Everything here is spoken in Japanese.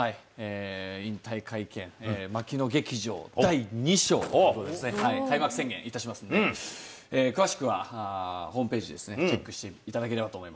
引退会見、槙野劇場第２章ということでですね、開幕宣言いたしますので、詳しくはホームページですね、チェックしていただければと思い